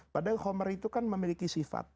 padahal khomer itu kan memiliki sifat